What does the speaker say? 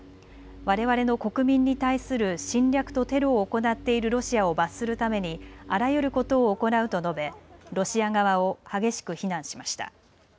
われわれの国民に対する侵略とテロを行っているロシアを罰するためにあらゆることを行うと述べロシア側を激しく非難しました。